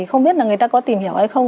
không biết là người ta có tìm hiểu hay không